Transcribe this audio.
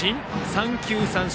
三球三振。